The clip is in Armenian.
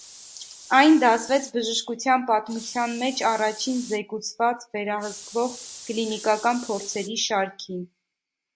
Այն դասվեց բժշկության պատմության մեջ առաջին զեկուցված, վերահսկվող, կլինիկական փորձերի շարքին։